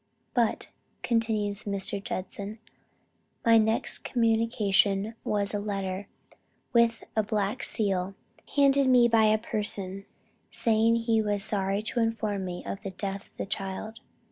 "But," continues Mr. Judson, "my next communication was a letter with a black seal, handed me by a person, saying he was sorry to inform me of the death of the child.